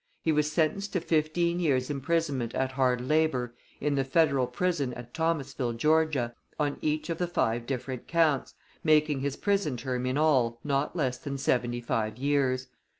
He was sentenced to fifteen years' imprisonment at hard labor in the Federal Prison at Thomasville, Georgia, on each of the five different counts, making his prison term in all not less than seventy five years.